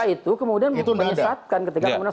itu gak ada